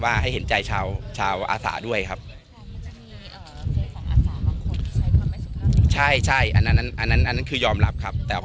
ให้เห็นใจชาวอาสาด้วยครับ